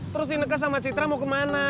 terus ineke sama citra mau kemana